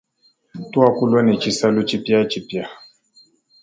Tuakulwa ne tshisalu tshipiatshipia.